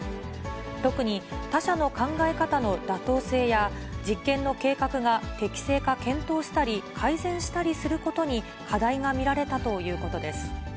特に他者の考え方の妥当性や、実験の計画が適正か検討したり、改善したりすることに課題が見られたということです。